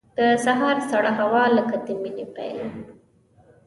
د سهار سړه هوا لکه د مینې پیل.